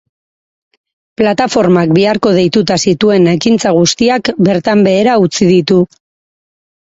Plataformak biharko deituta zituen ekintza guztiak bertan behera utzi ditu.